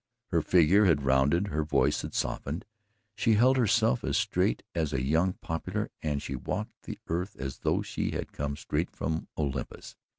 Her figure had rounded, her voice had softened. She held herself as straight as a young poplar and she walked the earth as though she had come straight from Olympus.